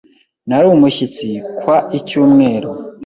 Nari umushyitsi kwa icyumweru.